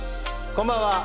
こんばんは。